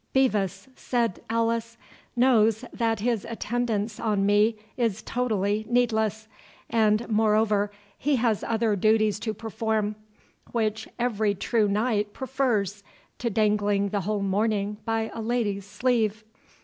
"Bevis," said Alice, "knows that his attendance on me is totally needless; and, moreover, he has other duties to perform, which every true knight prefers to dangling the whole morning by a lady's sleeve."